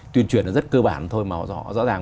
tuyên truyền rất cơ bản thôi mà rõ ràng